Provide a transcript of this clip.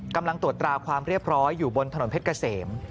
กำลังตรวจตราความเรียบร้อยอยู่บนถนนเพชรเกษม